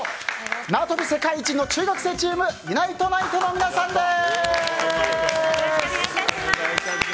縄跳び世界一の中学生チームＵＮＩＴＥＮＩＴＥの皆さんです。